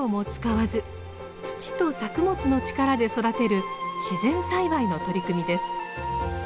土と作物の力で育てる自然栽培の取り組みです。